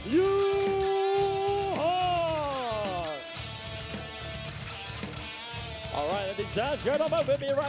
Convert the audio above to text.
โปรดติดตามต่อไป